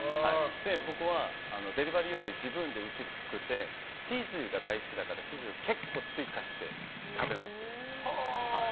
僕はデリバリーより自分でうちで作ってチーズが大好きだからチーズを結構追加して食べます。